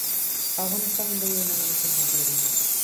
افغانستان د اوړي له امله شهرت لري.